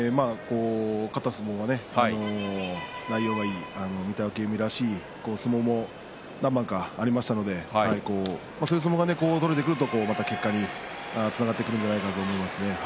勝った相撲は内容がいい御嶽海らしい相撲も何番かありましたのでそういう相撲が取れてくるとまた結果につながってくるんじゃないかと思いますね。